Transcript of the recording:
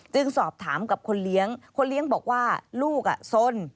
สอบถามกับคนเลี้ยงคนเลี้ยงบอกว่าลูกสน